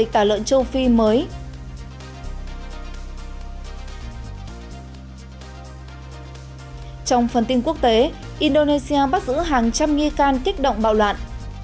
trong phần tin quốc tế indonesia bắt giữ hàng trăm nghi can kích động bạo loạn